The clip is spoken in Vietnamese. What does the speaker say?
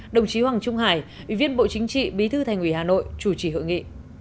đồng chí hoàng trung hải ủy viên bộ chính trị bí thư thành ủy hà nội chủ trì hội nghị